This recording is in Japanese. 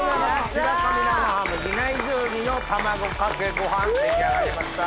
白神生ハム比内地鶏の卵かけご飯出来上がりました。